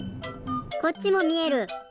こっちもみえる！